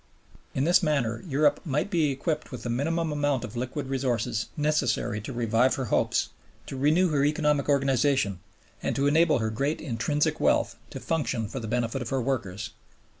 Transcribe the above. In this manner Europe might be equipped with the minimum amount of liquid resources necessary to revive her hopes, to renew her economic organization, and to enable her great intrinsic wealth to function for the benefit of her workers.